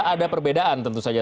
ada perbedaan tentu saja